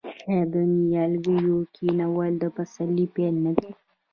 آیا د نیالګیو کینول د پسرلي پیل نه دی؟